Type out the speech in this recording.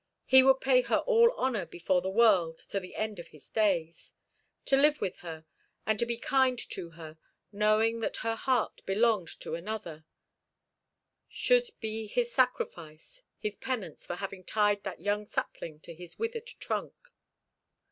He would pay her all honour before the world to the end of his days. To live with her, and to be kind to her, knowing that her heart belonged to another, should be his sacrifice, his penance for having tied that young sapling to this withered trunk.